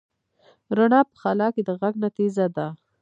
رڼا په خلا کې د غږ نه تېزه ده.